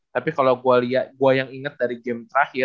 tapi kalau gue yang inget dari game terakhir